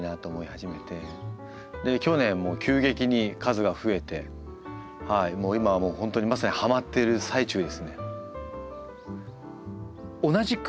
で去年急激に数が増えてもう今は本当にまさにハマってる最中ですね。